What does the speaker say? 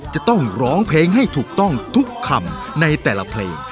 จะต้องร้องเพลงให้ถูกต้องทุกคำในแต่ละเพลง